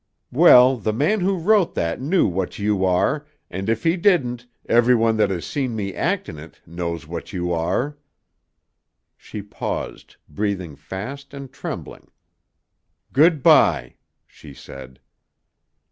"Well, the man who wrote that knew what you are, and, if he didn't, every one that has seen me act in it, knows what you are." She paused, breathing fast and trembling. "Good bye," she said.